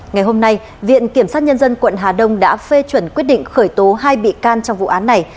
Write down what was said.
ngày hôm nay viện kiểm sát nhân dân quận hà đông đã phê chuẩn quyết định khởi tố hai bị can trong vụ án này